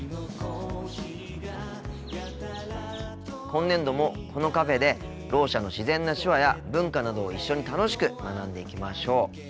今年度もこのカフェでろう者の自然な手話や文化などを一緒に楽しく学んでいきましょう。